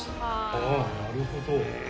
ああなるほど。